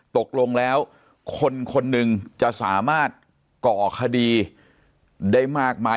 ตกลงแล้วคนคนหนึ่งจะสามารถก่อคดีได้มากมาย